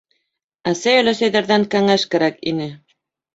Әсәй-өләсәйҙәрҙән кәңәш кәрәк ине.